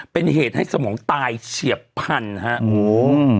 เป็นเหตุให้สมองตายเฉียบพันธุ์ฮะโอ้โห